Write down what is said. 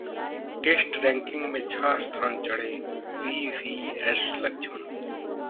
test ranking में छह स्थान चढ़े वी वी एस लक्ष्मण